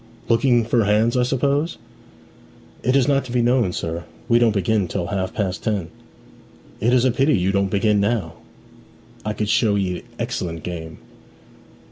'Looking for hands, I suppose?' 'It is not to be known, sir. We don't begin till half past ten.' 'It is a pity you don't begin now. I could show 'ee excellent game.'